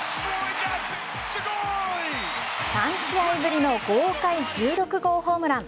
３試合ぶりの豪快１６号ホームラン。